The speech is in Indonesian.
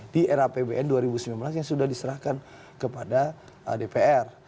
di era apbn dua ribu sembilan belas yang sudah diserahkan kepada dpr